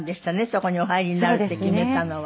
そこにお入りになるって決めたのは。